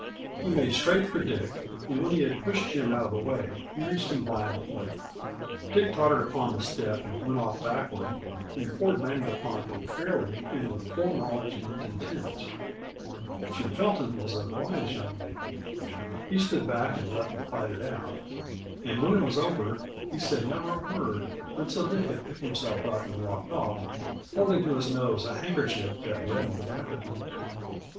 He made straight for Dick, and when he had pushed Jim out of the way, he reached him violently. Dick tottered upon the step and went off backward, and Ford landed upon him fairly and with full knowledge and intent. [Illustration: Dick tottered upon the step and went off backward.] Jim Felton was a wise young man. He stood back and let them fight it out, and when it was over he said never a word until Dick had picked himself up and walked off, holding to his nose a handkerchief that reddened rapidly.